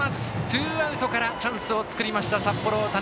ツーアウトからチャンスを作りました札幌大谷。